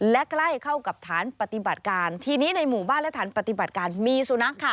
และใกล้เข้ากับฐานปฏิบัติการทีนี้ในหมู่บ้านและฐานปฏิบัติการมีสุนัขค่ะ